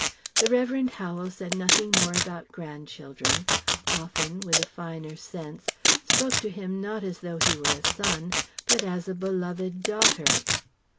The Revd. Howel said nothing more about grandchildren; often with a finer sense spoke to him not as though he were a son, but as a beloved daughter.